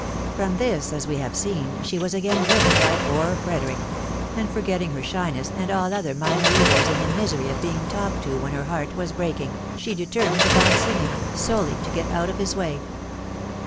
From this, as we have seen, she was again driven by poor Frederick ; and forgetting her shines and all other minor evils in the misery of being talked to when her heart was breaking, she determined upon singing, solely to get out of his way.